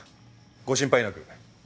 ご心配なく。